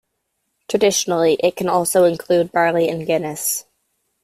Traditionally, it can also include barley and Guinness.